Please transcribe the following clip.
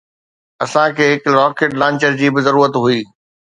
اسان کي هڪ راڪيٽ لانچر جي به ضرورت هئي